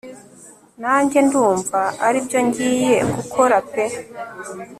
nanjye ndumva aribyo ngiye gukora pe